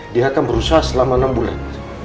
dia akan berusaha selama enam bulan